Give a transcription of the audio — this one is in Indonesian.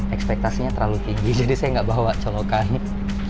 ekspektasinya terlalu tinggi jadi saya tidak membawa colokan